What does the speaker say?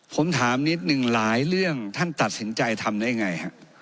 ผมถามนิดนึงหลายเรื่องท่านตัดสินใจทำได้ไงฮะ